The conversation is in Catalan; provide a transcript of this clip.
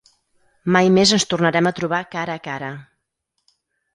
Mai més ens tornarem a trobar cara a cara.